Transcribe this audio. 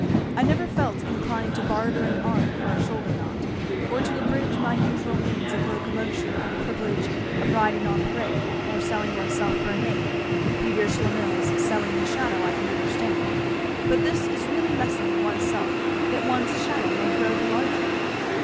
I never felt inclined to barter an arm for a shoulder knot, or to abridge my usual means of locomotion for the privilege of riding on parade or selling oneself for a name Peter Schlemil's selling his shadow I can understand; but this is really lessening oneself that one's shadow may grow the larger."